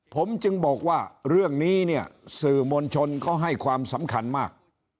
ผมจึงบอกว่าเรื่องนี้เนี่ยสื่อมวลชนเขาให้ความสำคัญมาก